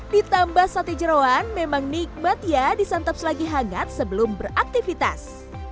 ditambah sate jerawan memang nikmat ya disantap selagi hangat sebelum beraktivitas